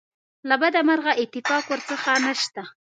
له بده مرغه اتفاق ورڅخه نشته.